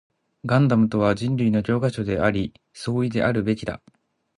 ガンダムとは人類の教科書であり、総意であるべきだ